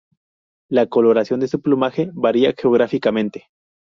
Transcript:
La coloración de su plumaje varía geográficamente.